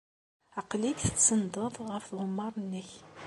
Aql-ik tsenndeḍ ɣef tɣemmar-nnek.